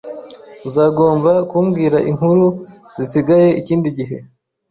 Uzagomba kumbwira inkuru zisigaye ikindi gihe.